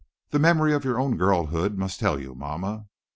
The memory of your own girlhood must tell you, mamma.